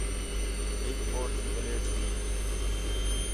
ہِک بوڑ تی پلیٹ ہی